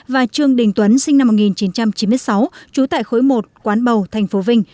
và trương đình tuấn sinh năm một nghìn chín trăm chín mươi sáu trú tại khối một quán bầu tp vinh